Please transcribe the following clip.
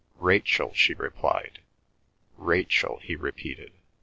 "Rachel," she replied. "Rachel," he repeated.